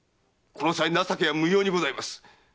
この際情けは無用にございます。